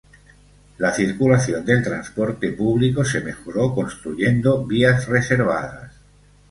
La circulación del transporte público se mejoró construyendo vías reservadas.